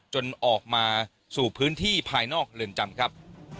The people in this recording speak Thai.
จนออกมาสู่พื้นที่ภายนอกเรือนจำครับ